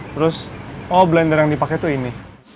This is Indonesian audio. terus oh blender yang dipakai tuh ini